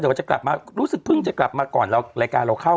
แต่ว่าจะกลับมารู้สึกเพิ่งจะกลับมาก่อนเรารายการเราเข้า